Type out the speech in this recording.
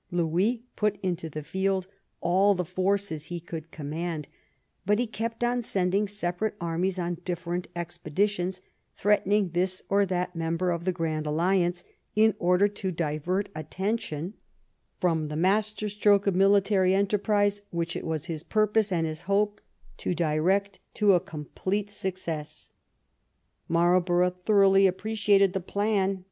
Louis put into the field all the forces he could command, but he kept on sending separate armies on different expeditions, threatening this or that member of the Grand Alliance, in order to divert attention from 112 '*THE CAMPAIGN"— BLENHEIM the master stroke of military enterprise which it was his purpose and his hope to direct to a complete suc cess. Marlborough thoroughly appreciated the plan.